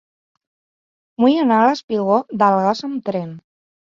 Vull anar al espigó del Gas amb tren.